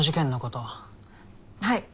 はい。